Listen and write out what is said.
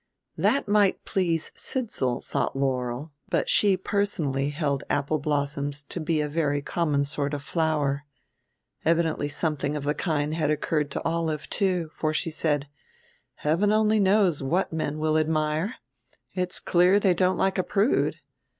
That might please Sidsall, thought Laurel, but she personally held apple blossoms to be a very common sort of flower. Evidently something of the kind had occurred to Olive, too, for she said: "Heaven only knows what men will admire. It's clear they don't like a prude.